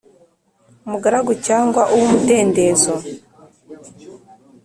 Umugaragu cyangwa uw’ umudendezo